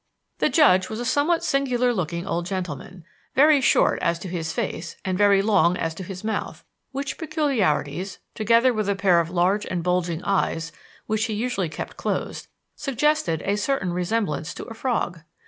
The judge was a somewhat singular looking old gentleman, very short as to his face and very long as to his mouth; which peculiarities, together with a pair of large and bulging eyes (which he usually kept closed), suggested a certain resemblance to a frog.